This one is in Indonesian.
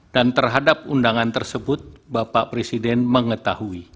dan terhadap undangan tersebut bapak presiden mengetahui